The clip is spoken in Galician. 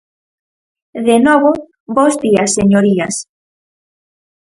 De novo, bos días señorías.